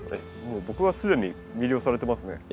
もう僕は既に魅了されてますね。